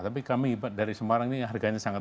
tapi kami dari semarang ini harganya sangat murah ya pak